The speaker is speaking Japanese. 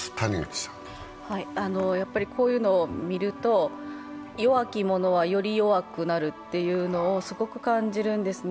こういうのを見ると、弱き者はより弱くなるというのをすごく感じるんですね。